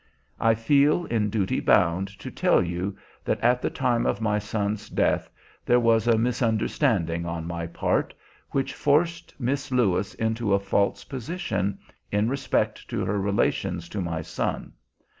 I feel in duty bound to tell you that at the time of my son's death there was a misunderstanding on my part which forced Miss Lewis into a false position in respect to her relations to my son.